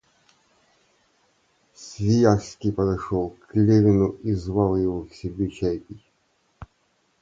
Свияжский подошел к Левину и звал его к себе чай пить.